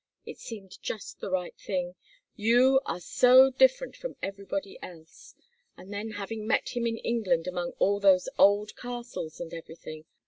It seemed just the right thing you are so different from everybody else; and then having met him in England among all those old castles, and everything!